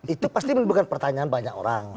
itu pasti menimbulkan pertanyaan banyak orang